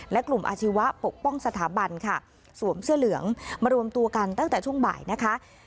และกลุ่มอาชีวะปกป้องสถาบันค่ะสวมเสื้อเหลืองมารวมตัวกันตั้งแต่ช่วงบ่ายนะคะ